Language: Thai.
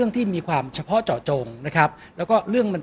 ก็ต้องทำอย่างที่บอกว่าช่องคุณวิชากำลังทำอยู่นั่นนะครับ